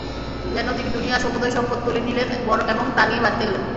যেন তিনি দুনিয়ার সমুদয় সম্পদ তুলে নিলেন এবং তা নিয়ে বাড়ীতে গেলেন।